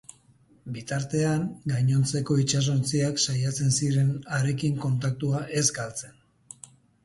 Bitartean, gainontzeko itsasontziak saiatzen ziren harekin kontaktua ez galtzen.